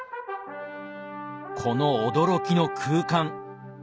この驚きの空間